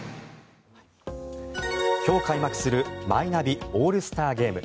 今日開幕するマイナビオールスターゲーム。